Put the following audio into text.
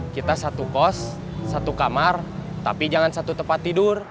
kita satu kos satu kamar tapi jangan satu tempat tidur